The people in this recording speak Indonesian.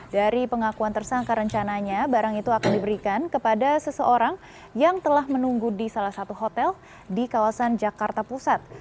dari pengakuan tersangka rencananya barang itu akan diberikan kepada seseorang yang telah menunggu di salah satu hotel di kawasan jakarta pusat